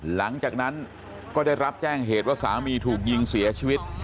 หลังจากนั้นก็ได้รับแจ้งเหตุว่าสามีถูกยิงเสียชีวิต